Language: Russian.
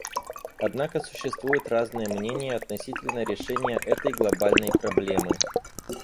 Однако существуют разные мнения относительно решения этой глобальной проблемы.